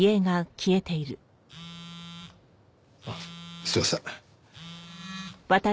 あっすいません。